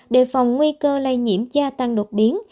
đề phòng nguy cơ lây nhiễm gia tăng đột biến